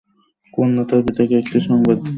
কন্যা তার পিতাকে এ সংবাদটি দিল।